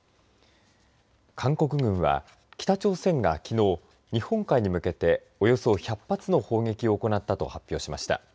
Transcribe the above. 韓国軍は北朝鮮がきのう日本海に向けておよそ１００発の砲撃を行ったと発表しました。